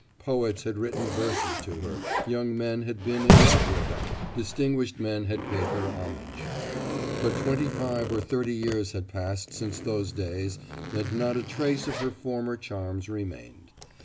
Poets had written verses to her, young men had been in love with her, distinguished men had paid her homage. But twenty five or thirty years had passed since those days and not a trace of her former charms remained.